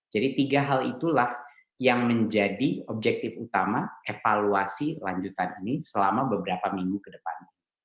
jadi tiga hal itulah yang menjadi objektif utama evaluasi lanjutan ini selama beberapa minggu ke depan